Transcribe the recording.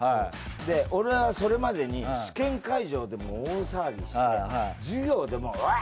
で俺はそれまでに試験会場でも大騒ぎして授業でもウワーッ！